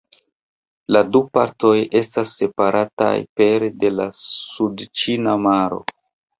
La du partoj estas separataj pere de la Sudĉina Maro.